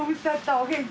お元気？